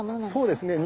そうですね。